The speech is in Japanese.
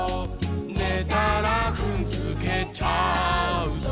「ねたらふんづけちゃうぞ」